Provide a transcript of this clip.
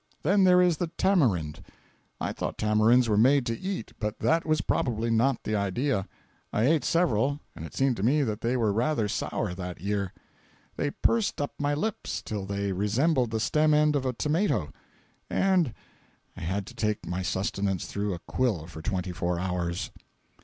Then there is the tamarind. I thought tamarinds were made to eat, but that was probably not the idea. I ate several, and it seemed to me that they were rather sour that year. They pursed up my lips, till they resembled the stem end of a tomato, and I had to take my sustenance through a quill for twenty four hours.